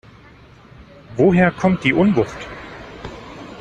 Woher kommt die Unwucht?